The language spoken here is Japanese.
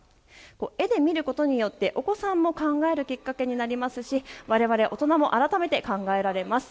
絵で見ることによってお子さんも考えるきっかけになりますしわれわれ大人も改めて考えられます。